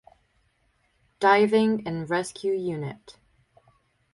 Diving and Rescue Unit.